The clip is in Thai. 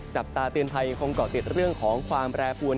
จับตาเตือนภัยยังคงเกาะติดเรื่องของความแปรปวน